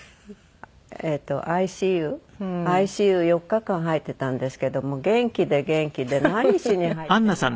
ＩＣＵ４日間入っていたんですけども元気で元気で何しに入ってんの？